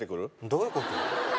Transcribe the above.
どういうこと？